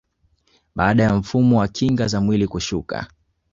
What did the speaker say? Baada ya mfumo wa kinga za mwili kushuka